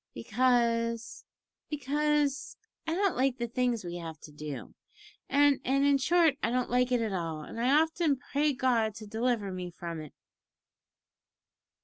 "Because because I don't like the kind of things we have to do, and and in short, I don't like it at all, and I often pray God to deliver me from it."